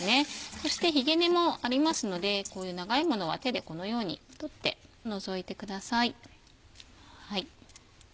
そしてひげ根もありますのでこういう長いものは手でこのように取って除いてください。